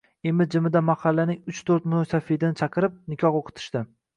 Imi-jimida mahallaning uch-to`rt mo`ysafidini chaqirib, nikoh o`qitishdi